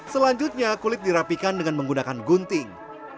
selanjutnya kulit dirapikan dengan menggunakan gunting